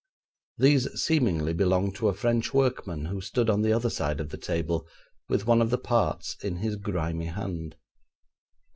These seemingly belonged to a French workman who stood on the other side of the table, with one of the parts in his grimy hand.